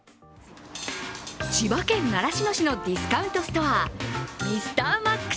千葉県習志野市のディスカウントストア、ＭｒＭａｘ。